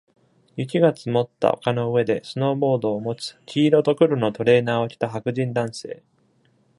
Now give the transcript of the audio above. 雪が積もった丘の上でスノーボードを持つ、黄色と黒のトレーナーを着た白人男性。